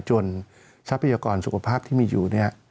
ทรัพยากรสุขภาพที่มีอยู่เนี่ย